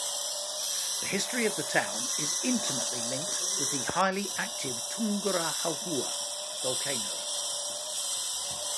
The history of the town is intimately linked with the highly active Tungurahua volcano.